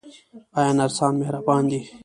آیا نرسان مهربان دي؟